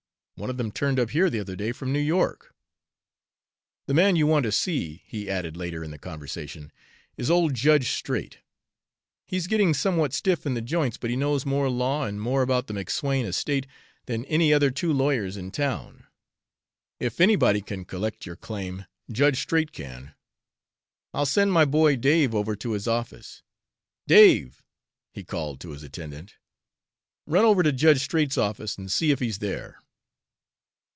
One of them turned up here the other day from New York. "The man you want to see," he added later in the conversation, "is old Judge Straight. He's getting somewhat stiff in the joints, but he knows more law, and more about the McSwayne estate, than any other two lawyers in town. If anybody can collect your claim, Judge Straight can. I'll send my boy Dave over to his office. Dave," he called to his attendant, "run over to Judge Straight's office and see if he's there.